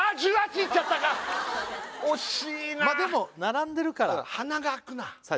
いっちゃったか惜しいなまあでも並んでるから鼻が開くなさあ